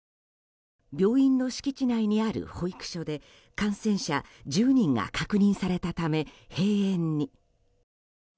病院の敷地内にある保育所で感染者１０人が確認されたため閉園に。